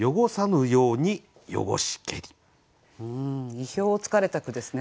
意表をつかれた句ですね